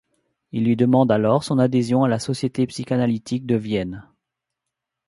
Il lui demande alors son adhésion à la Société psychanalytique de Vienne.